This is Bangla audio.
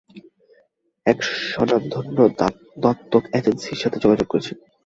এক স্বনামধন্য দত্তক এজেন্সির সাথে যোগাযোগ করেছি।